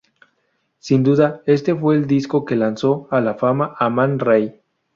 Sin duda este fue el disco que lanzo a la fama a Man Ray.